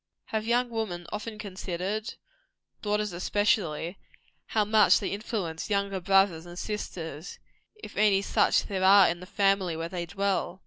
Have young women often considered daughters, especially how much they influence younger brothers and sisters, if any such there are in the family where they dwell?